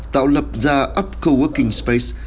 tạo lập ra up coworking space